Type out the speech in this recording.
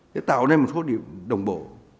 để tạo nên một số đồng bộ